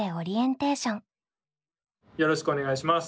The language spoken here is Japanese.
よろしくお願いします。